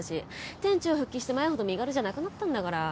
店長復帰して前ほど身軽じゃなくなったんだから。